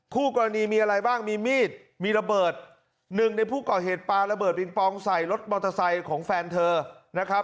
คู่กรณีมีอะไรบ้างมีมีดมีระเบิดหนึ่งในผู้ก่อเหตุปลาระเบิดปิงปองใส่รถมอเตอร์ไซค์ของแฟนเธอนะครับ